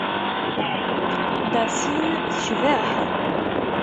Dassin tecbeḥ.